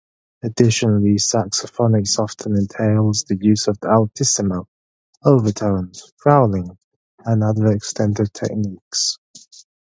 Additionally, saxophonics often entails the use of altissimo, overtones, growling, and other extended techniques.